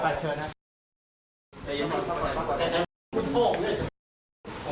โทษโทษโทษ